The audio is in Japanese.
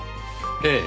ええ。